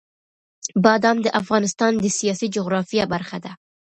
بادام د افغانستان د سیاسي جغرافیه برخه ده.